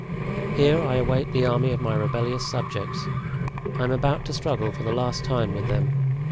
Here I await the army of my rebellious subjects. I am about to struggle for the last time with them.